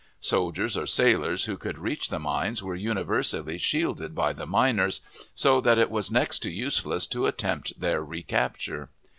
Soldiers or sailors who could reach the mines were universally shielded by the miners, so that it was next to useless to attempt their recapture.